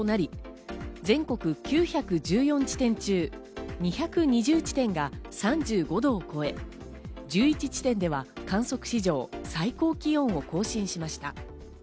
各地で体温に迫る危険な暑さとなり全国９１４地点中、２２０地点が３５度を超え、１１地点では観測史上最高気温を更新しました。